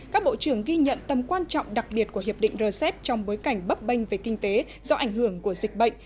các bộ trưởng ghi nhận tầm quan trọng đặc biệt của hiệp định rcep trong bối cảnh bấp bênh về kinh tế do ảnh hưởng của dịch bệnh